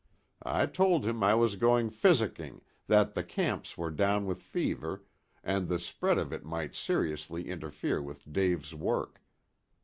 I told him I was going physicking, that the camps were down with fever, and the spread of it might seriously interfere with Dave's work.